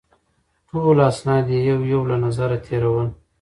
ټول اسناد یې یو یو له نظره تېرول.